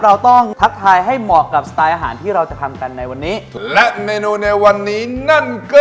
เราต้องทักทายให้เหมาะกับสไตล์อาหารที่เราจะทำกันในวันนี้ถูกและเมนูในวันนี้นั่นคือ